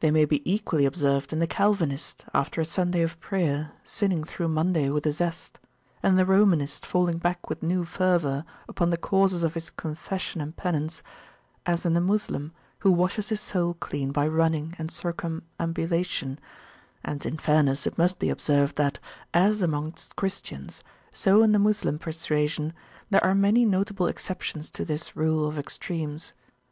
They may be equally observed in the Calvinist, after a Sunday of prayer, sinning through Monday with a zest, and the Romanist falling back with new fervour upon the causes of his confession and penance, as in the Moslem who washes his soul clean by running and circumambulation; and, in fairness, it must be observed that, as amongst Christians, so in the Moslem persuasion, there are many notable exceptions to this rule of extremes.